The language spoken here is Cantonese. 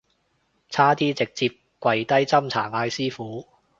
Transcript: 差啲直接跪低斟茶嗌師父